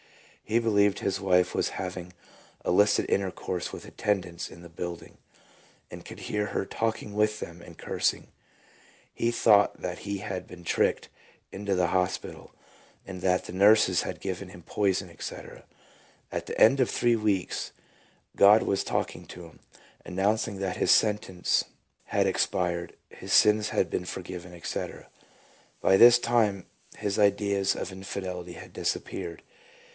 He believed his wife was having illicit intercourse with attendants in the building, and could hear her talking with them and cursing. He thought that he had been tricked into the hospital, and that the nurses had given him poison, etc. At the end of three weeks God . was talking to him, announcing that his sentence had expired, his sins had been forgiven, etc. By this time his ideas of infidelity had disappeared.